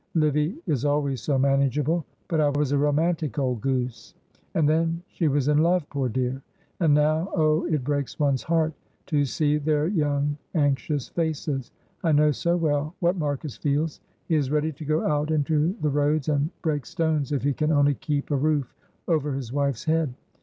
Livy is always so manageable, but I was a romantic old goose! And then she was in love, poor dear! And now oh, it breaks one's heart to see their young anxious faces! I know so well what Marcus feels; he is ready to go out into the roads and break stones if he can only keep a roof over his wife's head."